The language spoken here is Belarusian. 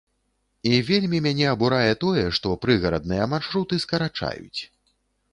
І вельмі мяне абурае тое, што прыгарадныя маршруты скарачаюць.